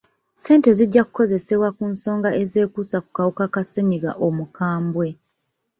Ssente zijja kukozesebwa ku nsonga ezekuusa ku kawuka ka ssenyiga omukambwe.